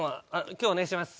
今日お願いします。